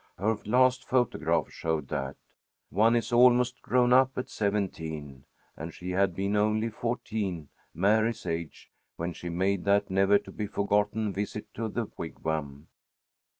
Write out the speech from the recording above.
Her last photograph showed that. One is almost grown up at seventeen, and she had been only fourteen, Mary's age, when she made that never to be forgotten visit to the Wigwam.